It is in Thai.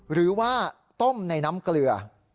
หรือว่าต้มในน้ำเกลือ